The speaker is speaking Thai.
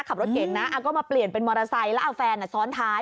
ขับรถเก่งนะก็มาเปลี่ยนเป็นมอเตอร์ไซค์แล้วเอาแฟนซ้อนท้าย